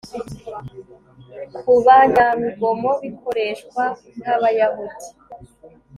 Kubanyarugomo bikoreshwa nkabayahudi